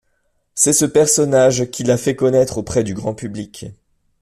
C'est ce personnage qui la fait connaître auprès du grand public.